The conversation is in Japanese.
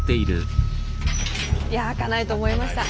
いや開かないと思いました。